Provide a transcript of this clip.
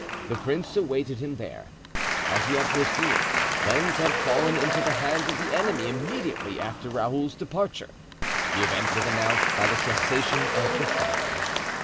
The prince awaited him there. As he had foreseen, Lens had fallen into the hands of the enemy immediately after Raoul's departure. The event was announced by the cessation of the firing.